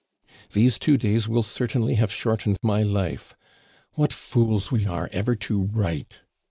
"These two days will certainly have shortened my life. What fools we are ever to write!